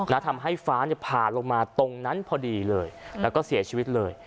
ทำให้ฟ้าเนี่ยผ่าลงมาตรงนั้นพอดีเลยแล้วก็เสียชีวิตเลย